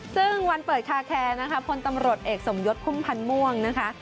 ซึ่งวันเปิดคาแคร์นะคะพลตำรวจเอกสมยศพุ่มพันธ์ม่วงนะคะ